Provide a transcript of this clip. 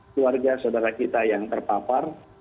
keluarga saudara kita yang terpapar